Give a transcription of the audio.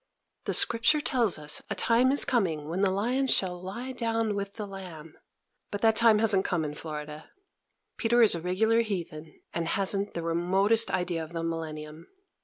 The Scripture tells us a time is coming when the lion shall lie down with the lamb; but that time hasn't come in Florida. Peter is a regular heathen, and hasn't the remotest idea of the millennium.